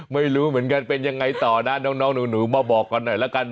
ไม่รู้เหมือนกันเป็นยังไงต่อนะน้องหนูมาบอกกันหน่อยละกัน